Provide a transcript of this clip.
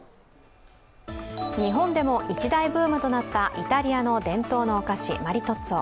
日本でも一大ブームとなったイタリアの伝統のお菓子マリトッツォ。